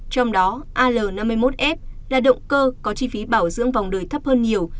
trong đó al năm mươi một f là động cơ có chi phí bảo dưỡng vòng đời thấp hơn nhiều